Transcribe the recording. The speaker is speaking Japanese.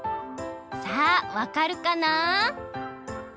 さあわかるかなあ？